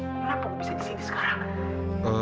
kenapa gue bisa disini sekarang